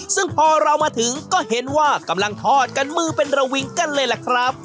ซึ่งพอเรามาถึงก็เห็นว่ากำลังทอดกันมือเป็นระวิงกันเลยล่ะครับ